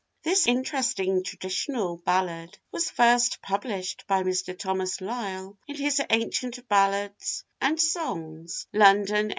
[THIS interesting traditional ballad was first published by Mr. Thomas Lyle in his Ancient Ballads and Songs, London, 1827.